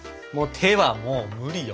手はもう無理よ。